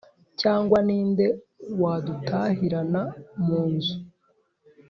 Cyangwa ni nde wadutahirana mu mazu